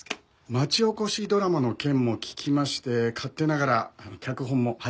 町おこしドラマの件も聞きまして勝手ながら脚本も拝見しました。